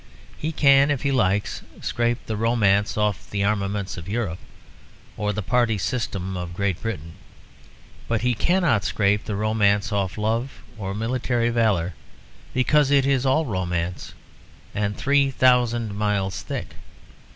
He can, if he likes, scrape the romance off the armaments of Europe or the party system of Great Britain. But he cannot scrape the romance off love or military valour, because it is all romance, and three thousand miles thick.